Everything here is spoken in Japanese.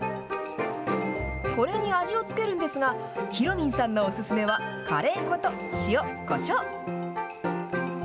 これに味を付けるんですが、ひろみんさんのお勧めは、カレー粉と塩、こしょう。